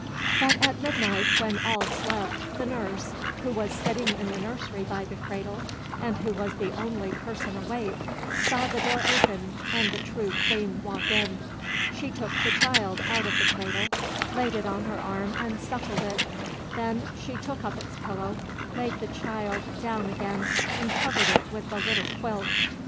But at midnight, when all slept, the nurse, who was sitting in the nursery by the cradle, and who was the only person awake, saw the door open and the true Queen walk in. She took the child out of the cradle, laid it on her arm, and suckled it. Then she shook up its pillow, laid the child down again, and covered it with the little quilt.